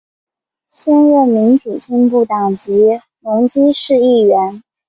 现任民主进步党籍基隆市议员。